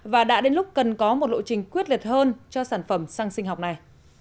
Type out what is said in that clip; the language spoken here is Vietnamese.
và đã đến lúc cần có một lộ trình quyết liệt hơn cho sản phẩm xăng sinh học này